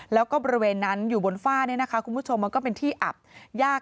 แล้วก็บริเวณนั้นอยู่บนฝ้าเนี่ยนะคะคุณผู้ชมมันก็เป็นที่อับยาก